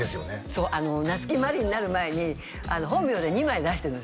そう夏木マリになる前に本名で２枚出してるんですよ